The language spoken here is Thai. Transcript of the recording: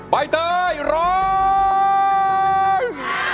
ใบเตยร้อง